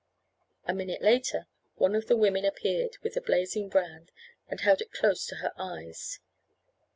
A minute later, one of the women appeared with a blazing brand, and held it close to her eyes.